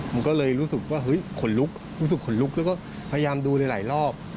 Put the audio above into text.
มันก็เลยรู้สึกว่าเฮ้ยขนลุกรู้สึกขนลุกแล้วก็พยายามดูในหลายรอบ